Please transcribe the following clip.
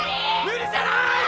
無理じゃない！